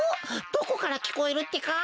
どこからきこえるってか？